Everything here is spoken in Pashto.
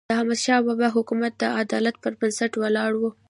د احمدشاه بابا حکومت د عدالت پر بنسټ ولاړ و.